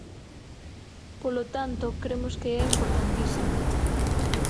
Polo tanto, cremos que é importantísimo.